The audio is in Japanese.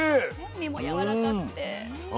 身もやわらかくて。